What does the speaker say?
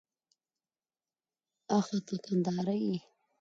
آښه ته کندهاری يې؟